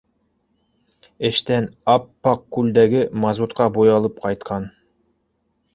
Эштән ап-аҡ күлдәге мазутҡа буялып ҡайтҡан.